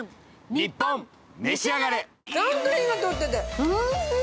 『ニッポンめしあがれ』。